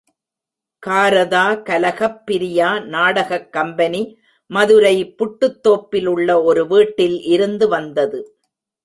காரதா கலகப்ரியா நாடகக் கம்பெனி மதுரை புட்டுத்தோப்பிலுள்ள ஒரு வீட்டில் இருந்து வந்தது.